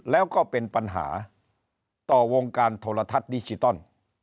แล้วก็เป็นปัญหาต่อวงการโทรทัศน์ดิจิตอล